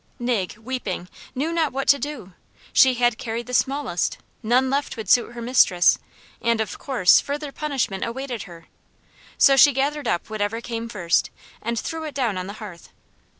Nig, weeping, knew not what to do. She had carried the smallest; none left would suit her mistress; of course further punishment awaited her; so she gathered up whatever came first, and threw it down on the hearth.